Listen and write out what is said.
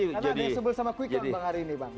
karena ada yang sembel sama quick out bang hari ini bang